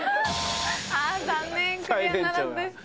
残念クリアならずです。